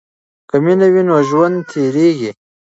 که مینه وي نو ژوند تیریږي.